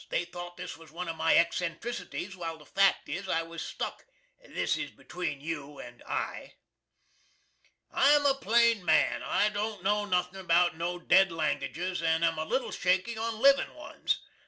They thought this was one of my eccentricities, while the fact is I was stuck. This between you and I.) I'm a plane man. I don't know nothin about no ded languages and am a little shaky on livin ones.